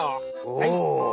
お！